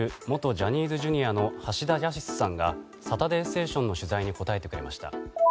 ジャニーズＪｒ．の橋田康さんが「サタデーステーション」の取材に答えてくれました。